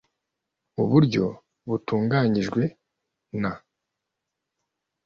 mu buryo buteganyijwe na